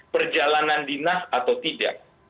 perjalanan dinas atau tidak